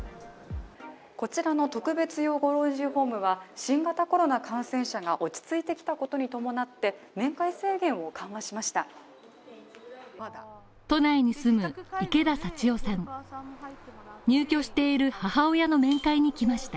こちらの特別養護老人ホームは、新型コロナ感染者が落ち着いてきたことに伴って面会制限を緩和しました。